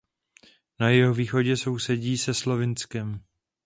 Na jihovýchodě sousedí se Slovinskem.